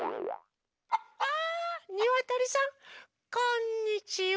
あにわとりさんこんにちは！